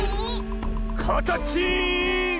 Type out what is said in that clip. かたちん！